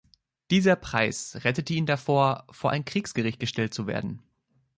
Dieser Preis rettete ihn davor, vor ein Kriegsgericht gestellt zu werden.